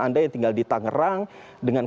anda yang tinggal di tangerang dengan